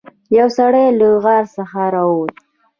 یو سړی له غار څخه راووت.